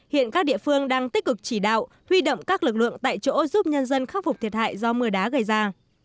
hiện các địa phương đang tích cực chỉ đạo huy động các lực lượng tại chỗ giúp nhân dân khắc phục thiệt hại do mưa đá gây ra